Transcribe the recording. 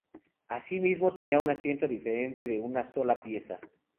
Así mismo tenía un asiento diferente de una sola pieza.